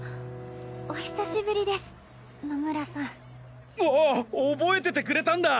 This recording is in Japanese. お久しぶりです野村さん。ああ覚えててくれたんだ！